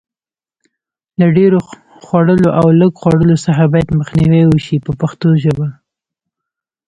له ډېر خوړلو او لږ خوړلو څخه باید مخنیوی وشي په پښتو ژبه.